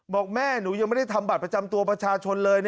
บอกแม่หนูยังไม่ได้ทำบัตรประจำตัวประชาชนเลย